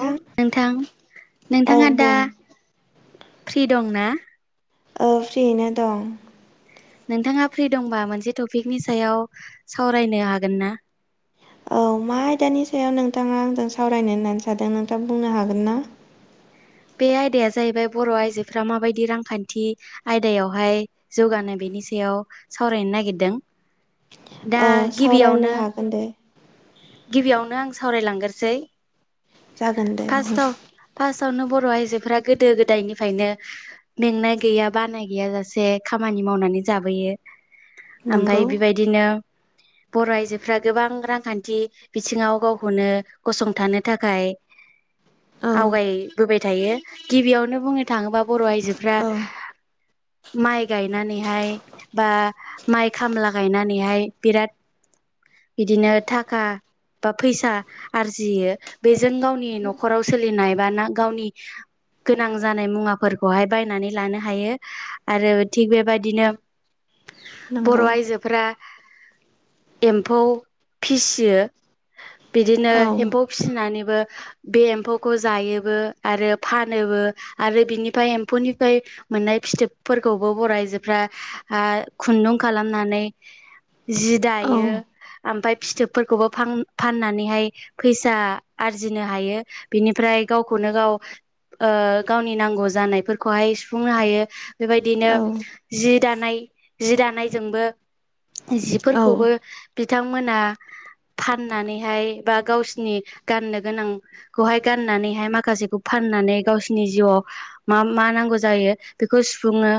औे नोंथां औ नोंथाङा दा बुं फ्रि दं ना औ फ्रियैनो दं नोंथाङा फ्रि दंबा मोनसे टपिकनि सायाव सावरायनो हागोन ना औ मा आयदानि सायाव नोंथाङा आंजों सावरायनो होननानै सानदों नोंथाङा बुंनो हागोन ना बे आयदाया जाहैबाय बर' आइजोफ्रा माबायदि रांखान्थि आयदायावहाय जौगानो बेनि सायाव सावरायनो नागिरदों दा औ सावरायनो गिबियावनो हागोन दे गिबियावनो आं सावरायलांग्रोसै जागोन दे बुं फार्स्टआव फार्स्टआवनो बर' आइजोफोरा गोदो गोदायनिफ्रायनो मेंनाय गैया बानाय गैया जासे खामानि मावनानै जाबोयो नंगौ आमफाय बेबायदिनो बर' आइजोफ्रा गोबां रांखान्थि बिथिङाव गावखौनो गसंथानो थाखाय औ आवगायबोबाय थायो गिबियावनो बुंनो थाङोबा बर' आइजोफ्रा औ माइ गायनानैहाय बा माइ खामला गायनानैहाय बिराद बिदिनो थाखा बा फैसा। आरजियो बेजों गावनि न'खराव सोलिनाय बा ना गावनि। गोनां जानाय मुवाफोरखौहाय बायनानै लानो हायो। आरो थिग बेबायदिनो। बर' नंगौ आइजोफोरा एम्फौ फिसिना। फिसियो बिदिनो औ एम्फौ फिसिनानैबो। बे एम्फौखौ जायोबो आरो फानोबो आरो बिनिफ्राय एम्फौनिफ्राय। मोननाय फिथोबफोरखौबो बर' आइजोफोरा खुन्दुं खालामनानै। जि औ दायो ओमफ्राय फिथोब। फोरखौबो फाननानैहाय फैसा आरजिनो हायो। बिनिफ्राय गावखौनो गाव। गावनि नांगौ जानायफोरखौहाय सुफुंनो हायो बेबायदिनो। औ जि दानाय जि दानायजोंबो। औ जिफोरखौबो बिथांमोना। फाननानैहाय बा गावसिनि गाननो गोनां। खौहाय गाननानैहाय माखासेखौ फाननानै गावसोरनि जिउआव। मा मा नांगौ जायो बेखौ सुफुङो।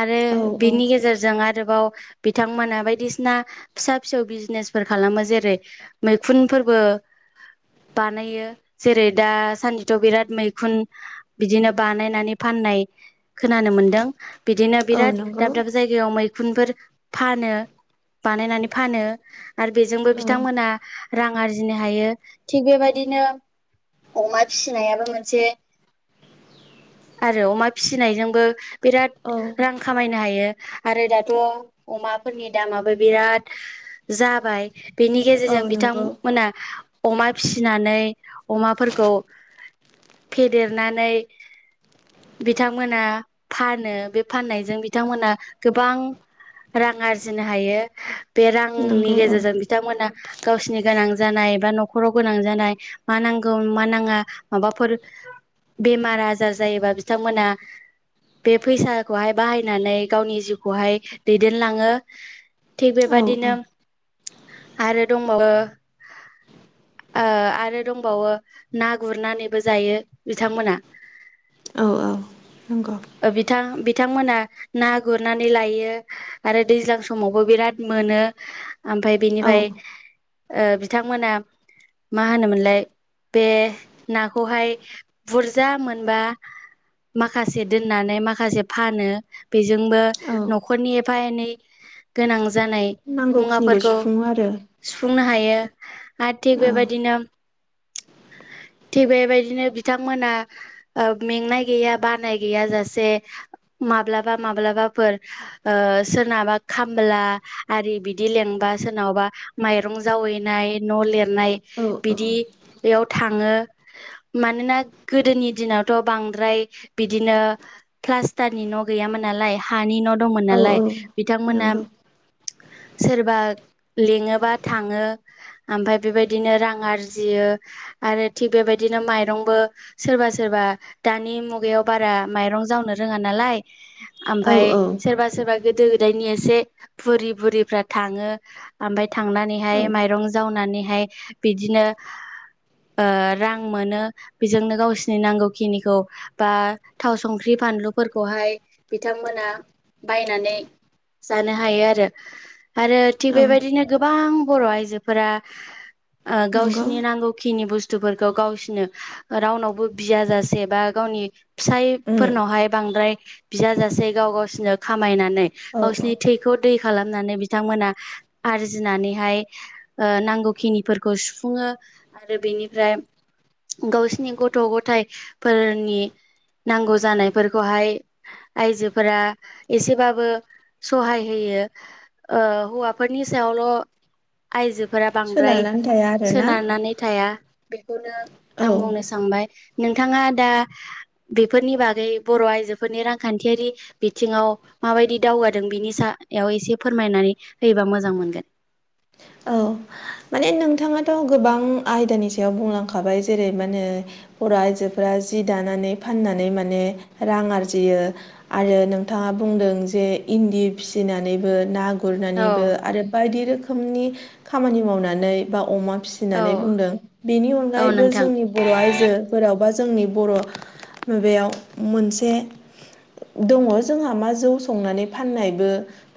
आरो औ औ बिनि गेजेरजों आरोबाव बिथांमोना बायदिसिना फिसा फिसौ बिजनेस। फोर खालामो जेरै मैखुनफोरबो। बानायो जेरै दासान्दिथ' बिराद मैखुन। बिदिनो बानायनानै फाननाय खोनानो मोनदों बिदिनो औ बिराद नंगौ दाब दाब जायगा। सियाव मैखुनफोर फानो बानायनानै फानो। आरो बेजोंबो औ बिथांमोना रां आरजिनो हायो थिग बेबायदिनो। अमा फिसिनायाबो मोनसे। आरो अमा फिसिनायजोंबो बिराद औ रां। खामायनो हायो आरो दाथ' अमाफोरनि दामाबो बिराद जाबाय। बेनि औ गेजेरजों नंगौ बिथांमोना। अमा फिसिनानै अमाफोरखौ फेदेरनानै। बिथांमोना फानो बे फाननायजों बिथांमोना गोबां। रां आरजिनो हायो बे रांनि नंगौ औ गेजेरजों बिथांमोना। गावसिनि गोनां जानाय बा न'खराव गोनां जानाय। मा नांगौ मा नाङा माबाफोर। बेमार आजार जायोबा बिथांमोना। बे फैसाखौहाय बाहायनानै गावनि जिउखौहाय दैदेनलाङो। थिग औ औ बेबायादिनो। आरो दंबावो। ओ आरो दंबावो ना गुरनानैबो जायो बिथांमोना। [inaudible] औ औ नंगौ। बिथां बिथांमोना ना गुरनानै लायो। आरो दैज्लां समावबो बिराद मोनो ओमफ्राय औ बेनिफ्राय ओ बिथांमोना मा होनोमोनलाय बे नाखौहाय बुरजा मोनबा। माखासे दोननानै माखासे फानो। बेजोंबो औ न'खरनि एफा एनै गोनां जानाय नांगौखिनिखौ मुवाफोरखौ सुफुङो आरो। सुफुंनो हायो आरो थिग औ बेबायदिनो। थिग बेबायदिनो बिथांमोना ओ मेंनाय गैया बानाय गैया जासे माब्लाबा माब्लाबाफोर। ओ सोरनाबा खामला आरि बिदि लेंबा सोरनावाबा माइरं जावैनाय न' लिरनाय औ-औ बिदियाव थाङो मानोना गोदोनि दिनावथ' बांद्राय बिदिनो प्लास्टारनि न' गैयामोन नालाय हानि न' दंमोन औ औ नालाय बिथांमोना नंगौ सोरबा लिङोबा थाङो। ओमफाय बेबायदिनो रां आरजियो आरो थिग बेबायदिनो माइरंबो सोरबा सोरबा दानि मुगायाव बारा माइरं जावनो रोङा नालाय। औ ओमफाय सोरबा-सोरबा गोदो गोदायनि एसे बुरि-बुरिफ्रा थाङो। ओमफाय थांनानैहाय औ माइरं जावनानैहाय बिदिनो ओ रां मोनो बेजोंनो गावस्नि नांगौखिनिखौ बा थाव संख्रि फानलुफोरखौहाय बिथांमोना बायनानै जानो हायो आरो। आरो थिग औ बेबायदिनो गोबां बर' आइजोफोरा ओ नंगौ गावस्नि नांगौ खिनि बुस्थुफोरखौ गावस्नो ओ रावनावबो बियाजासे बा गावनि उम फिसायफोरनावहाय बांद्राय बियाजासे गाव गावस्नो खामायनानै औ गावस्नि औ थैखौ दै खालामनानै बिथांमोना आरजिनानैहाय ओ नांगौखिनिफोरखौ सुफुङो। आरो बेनिफ्राय गावसिनि गथ' गथायफोरनि नांगौ जानायफोरखौहाय आयजोफोरा एसेबाबो सहाय होयो। ओ हौवाफोरनि सायावल' आइजोफोरा बांद्राय सोनारनानै थाया आरोना सोनारनानै। थाया बेखौनो औ आं बुंनो सानबाय नोंथाङा दा बेफोरनि बागै बर' आइजोफोरनि रांखान्थियारि बिथिङाव माबायदि दावगादों बिनि सायाव एसे फोरमायनानै होयोबा मोजां मोनगोन। औ। माने नोंथाङाथ' गोबां आयदानि सायाव बुंलांखाबाय जेरै मानो बर' आइजोफोरा जि दानानै फाननानै माने रां आरजियो। आरो नोंथाङा बुंदों जे इन्दि फिसिनानैबो ना औ गुरनानैबो आरो बायदिरोखोमनि खामानिमावनानै बा अमा फि औ [unintelligible] बुंदों बेनि औ अनगायैबो नोंथां जोंनि बर' आइजो बोरावबा जोंनि बर' बेयाव मोनसे दङ जोंहा मा जौ संनानै फाननायबो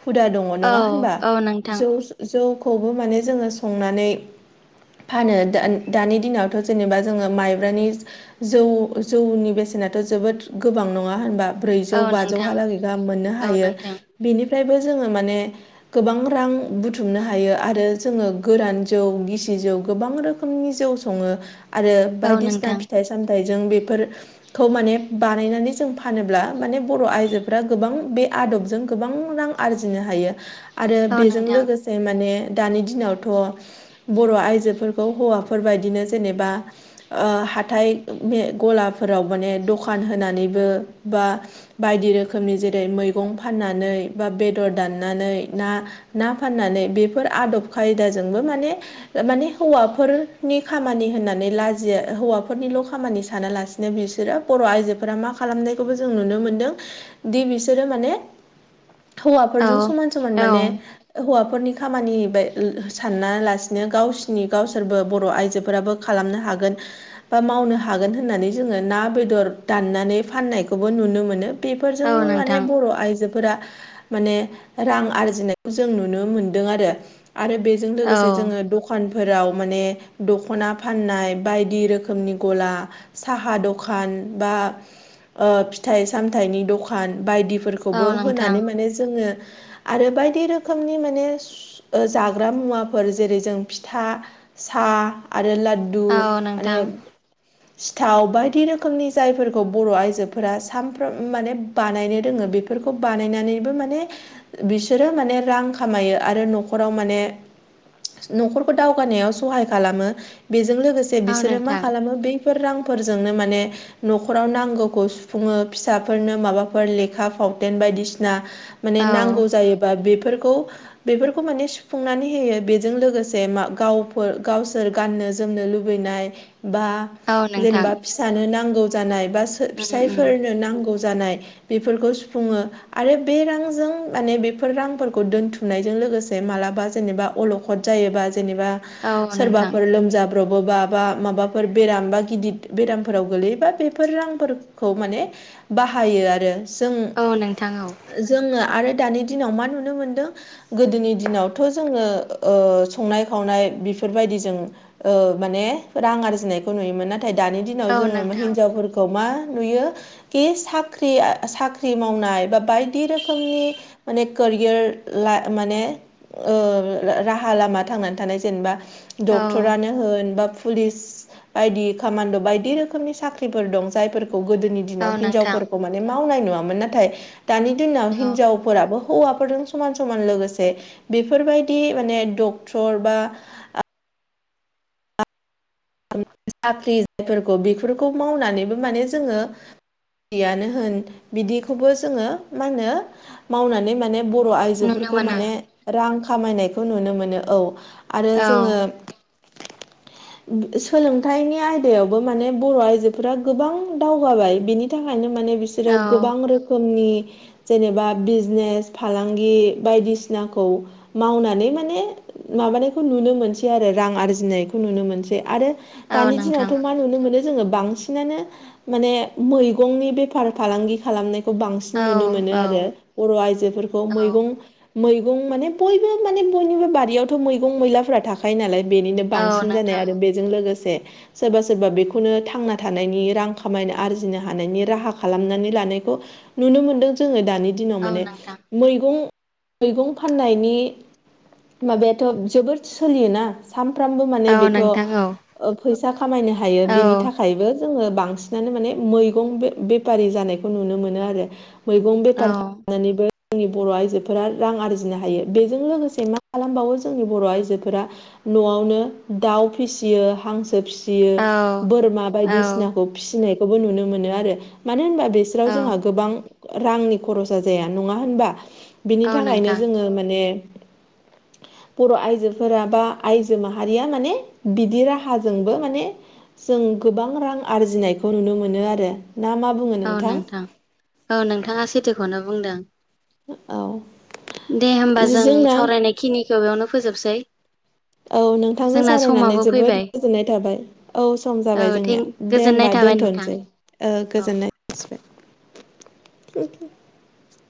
हुदा दङ औ नङा होनबा औ नोंथां जौ जौखौबो माने जोङो संनानै फानो द दानि दिनावथ' जेनेबा जोङो माइब्रानि जौ जौनि बेसेनाथ' जोबोद गोबां नङा होनबा? औ ब्रैजौ नोंथां बाजौहालागै गाहाम मोननो औ हायो। नोंथां बेनिफ्रायनो जोङो माने गोबां रां बुथुमनो हायो आरो जोङो गोरान जौ गिसि जौ गोबां रोखोमनि जौ सङो आरो औ बायदिसिना नोंथां फिथाइ सामथाइजों बेफोर खौ माने बानायनानै जों फानोब्ला माने बर' आइजोफ्रा गोबां बे आदबजों गोबां रां आरजिनो हायो आरो औ बेजों नोंथां लोगोसे माने दानि दिनाव थ' बर' आइजोफोरखौ हौवाफोरबायदिनो जेनेबा ओ हाथाय मे गलाफोराव माने दखान होनानैबो बा बायदि रोखोमनि जेरै मैगं फाननानै बा बेदर दाननानै ना ना फाननानै बेफोर आदब खायदाजोंबो माने ओ माने हौवाफोरनि खामानि होननानै लाजिया हौवाफोरनिल' खामानि सानालासि नो बिसोरा बर' आइजोफोरा मा खालामनायखौबो जों नुनो मोनदों दि बिसोरो माने औ हौवाफोरजों समान-समान औ माने हौवाफोरनि खामानि बे [unintelligible] साना लासिनो गावसिनि गावसोरबो बर' आइजोफोराबो खालामनो हागोन। बा मावनो हागोन होननानै जोङो ना बेदर दाननानै फाननायखौबो नुनो मोनो। औ बेफोरजोंबो माने नोंथां बर' आइजोफोरा माने रां आरजिनायखौ जों नुनो मोनदों आरो आरो बेजों औ लोगोसे जोङो द खानफोराव माने दख'ना फाननाय बायदि रोखोमनि गला साहा दखान बा फिथाइ सामथाइनि दखान बायदिफोरखौ औ बो नोंथां होनानै मानि जोङो आरो बायदि रोखोमनि मानि ओ जा ग्रा मुवाफोर जेरै जों फिथा साहा आरो ला दु औ माने नोंथां सिथाव बायदि रोखोमनि जायफोरखौ बर' आइजोफोरा सामफ्रोम माने बानायनो रोङो बेफोरखौ बानायनानैबो माने बिसोरो माने रां खामायो आरो न'खराव माने न'खरखौ दावगानायाव सहाय खालामो बेजों लोगोसे औ बिसोरो मा नोंथां खालामो बै फोर रांफोरजोंनो माने न'खराव नांगौखौ सुफुङो फिसाफोरनो माबाफोर लेखा फावथेन बायदिसिना माने औ नांगौ जायोबा बेफोरखौ बेफोरखौ माने सुफुंनानै होयो बेजों लोगोसे मा गावफोर गावसोर गाननो जोमनो लुबैनाय बा औ नोंथां जेनेबा फिसानो नांगौ जानाय बा उम उम फिसायफोरनो नांगौ जानाय बेफोरखौ सुफुङो। आरो बे रांजों माने बेफोर रांफोरखौ दोनथुमनायजों लोगोसे माला बा जेनेबा अलखद जायोबा जेनेबा औ नोंथां सोरबाफोर लाब्रबोबा माबा माबाफोर बेराम बा गिदिर बेरामफोराव गोलैयोबा बेफोर रांफोरखौ माने बाहायो आरो जों औ नोंथां औ जोङो आरो दानि दिनाव मा नुनो मोनदों गोदोनि दिनाव थ' जोङो संनाय खावनाय बेफोरबायदि जों माने रां आरजिनायखौ नुयोमोन नाथाय दानि दिनाव औ जोङो नोंथां हिनजावफोरखौ खौ मा नुयो खि साख्रिया साख्रि मावनाय बा बायदि रोखोमनि माने कोरियार ला माने ओ राहा लामा थांनानै थानाय जेनेबा औ डक्टरानो बा पुलिस बायदि कामान्ड' बायदि रोखोमनि साख्रिफोर दं जायफोरखौ गोदोनि दिनाव औ नोंथां हिनजावफोरखौ माने मावनाय नुवामोन नाथाय दानि दिनाव औ हिनजाव फोराबो हौवाफोरजों समान समान लोगोसे बेफोरबायदि माने डक्टर बा साख्रि जायफोरखौ बेफोरखौ मावनानैबो माने जोङो यानो होन बिदिखौबो जोङो मा होनो मावनानै माने बर' नुनो आइजोफोरखौ मोनो माने रां खामायनायखौ नुनो मोनो औ आरो औ जोङो सोलोंथाइनि आयदायावबो माने बर' आइजोफोरा गोबां दावगाबाय बिनि बेनि थाखायनो माने औ बिसोरो गोबां रोखोमनि जेनेबा बिजनेस फालांगि बायदिसिनाखौ मावनानै माने माबानायखौ नुनो मोनसै आरो रां आरजिनायखौ नुनो मोनसै। आरो औ दानि नोंथां दिनावथ' मा नुनो मोनो जों बांसिनानो माने मैगंनि बेफार फालांगि खालामनाय खौ बांसिन औ नुनो मोनो औ आरो बर' आइजोफोरखौ औ मैगं मैगं माने बयबो माने बयनिबो बारियावथ' मैगं मैलाफोरा थाखा यो नालाय बेनिनो औ बांसिन जानाय नोंथां आरो बेजों लोगोसे सोरबा सोरबा बेखौनो थांना थानायनि रां खामायनो आरजिनो हानायनि राहा खालामनानै लानायखौ नुनो मोनदों जोङो दानि दिनाव औ माने नोंथां मैगं मैगं फाननायनि माबायाथ' जोबोद सोलियोना। सानफ्रामबो माने औ बेथ' नोंथां औ फैसा खामायनो हायो औ बेनि थाखाय बो जोङो बांसिनानो माने मैगं बेफारि जानायखौ नुनो मोनो आरो। मैगं बेफार खालामनानैबो जोंनि बर' आइजोफोरा रां आरजिनो हायो बेजों लोगोसे मा खालामबावो जोंनि बर' आइजोफोरा न'आवनो दाउ फिसियो हांसो फिसियो औ बोरमा औ बायदिसिनाखौ फिसिनायखौबो नुनो मोनो आरो मानो होनबा बिसोराव जोंहा गोबां रांनि खरसा जाया नङा होनबा बिनि औ थाखायनो नोंथां जोङो माने बर' आइजोफोरा बा आइजो माहारिया माने बिदि राहाजोंबो माने जों गोबां रां आरजिनायखौ नुनो मोनो आरो ना मा औ नोंथां औ नोंथाङा सैथोखौनो बुंदों। औ दे होनबा जों जोंना सावरायनाय खिनिखौ बेयावनो फोजोबसै। औ नोंथांजों जोंना सावरायनानै समाबो जोबोद फैबाय गोजोननाय थाबाय। औ सम औ जाबाय जोंनिया थें दे गोजोननाय होमबा थाबाय नोंथां दोनथ'नोसै ओ औ गोजोननाय [unintelligible]